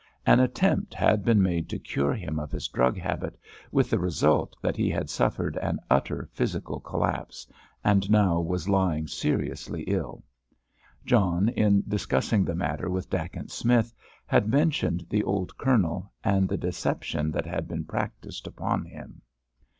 An attempt had been made to cure him of his drug habit, with the result that he had suffered an utter physical collapse, and now was lying seriously ill. John, in discussing the matter with Dacent Smith, had mentioned the old Colonel, and the deception that had been practised upon him.